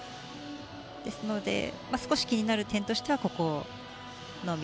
ですので少し気になる点としてはここのみ。